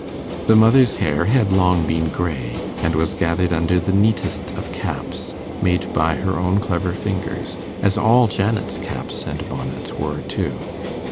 The mother's hair had long been grey, and was gathered under the neatest of caps, made by her own clever fingers, as all Janet's caps and bonnets were too.